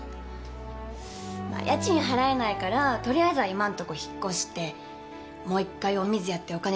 まあ家賃払えないからとりあえずは今の所引っ越してもう一回お水やってお金ためる。